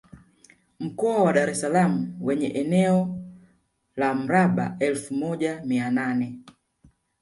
Mkoa wa Dar es Salaam wenye eneo na la mraba efu moja mia nane